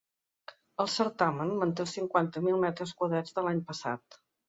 El certamen manté els cinquanta mil metres quadrats de l’any passat.